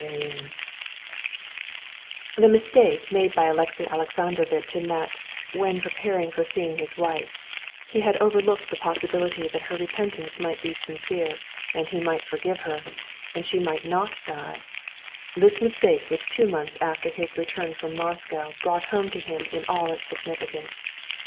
Chapter 19 The mistake made by Alexey Alexandrovitch in that, when preparing for seeing his wife, he had overlooked the possibility that her repentance might be sincere, and he might forgive her, and she might not die—this mistake was two months after his return from Moscow brought home to him in all its significance.